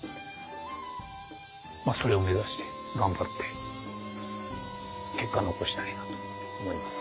まあそれを目指して頑張って結果残したいなと思います